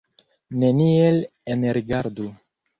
Neniel enrigardu!